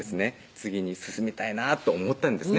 次に進みたいなと思ったんですね